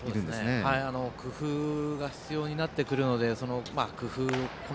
大変、工夫が必要になってくるので。